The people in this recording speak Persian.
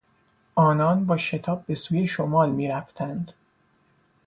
آنان با شتاب به سوی شمال میرفتند.